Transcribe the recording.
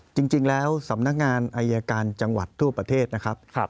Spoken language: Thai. จริงแล้วสำนักงานอายการจังหวัดทั่วประเทศนะครับ